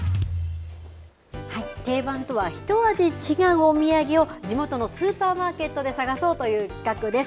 定番とは一味違うお土産を、地元のスーパーマーケットで探そうという企画です。